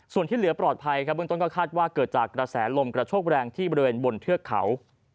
ส่วนที่เหลือปลอดภัยครับเบื้องต้นก็คาดว่าเกิดจากกระแสลมกระโชกแรงที่บริเวณบนเทือกเขา